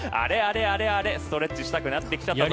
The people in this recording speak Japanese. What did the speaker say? あれあれ、ストレッチしたくなってきちゃったな。